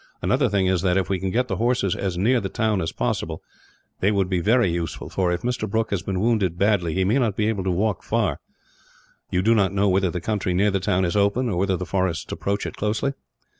Another thing is that, if we can get the horses as near the town as possible, they would be very useful for, if Mr. Brooke has been wounded badly, he may not be able to walk far. "You do not know whether the country near the town is open, or whether the forests approach it closely?"